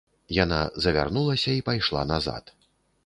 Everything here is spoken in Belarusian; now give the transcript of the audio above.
Яна завярнулася і пайшла назад.